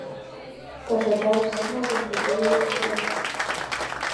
— Пашадарым от нал гын, кузе илет, изай?